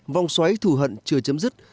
vòng xoáy thù hận chưa chấm dứt